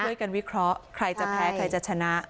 ช่วยกันวิเคราะห์ใครจะแพ้ใครจะชนะ